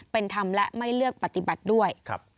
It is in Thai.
เป็นธรรมและไม่เลือกปฏิบัติด้วย